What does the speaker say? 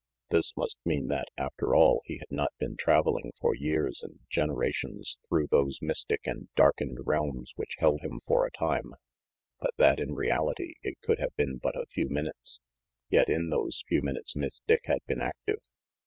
This must mean that, after all, he had not been traveling for years and generations through RANGY PETE 369 those mystic and darkened realms which held him for a time, but that, in reality, it could have been but a few minutes. Yet in those few minutes Miss Dick had been active.